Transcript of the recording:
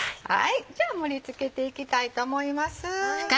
じゃあ盛り付けていきたいと思います。